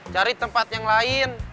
cari tempat yang lain